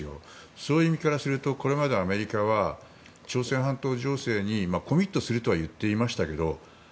そういう意味からするとこれまでアメリカは朝鮮半島情勢にコミットするとは言っていましたけど